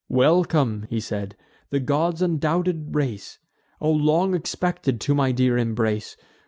"Welcome," he said, "the gods' undoubted race! O long expected to my dear embrace!